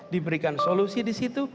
diberikan solusi di situ